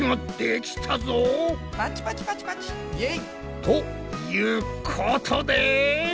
ということで！